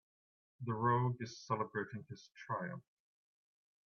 The rogue is celebrating his triumph.